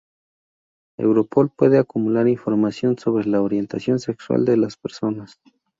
Europol puede acumular información sobre la orientación sexual de las personas.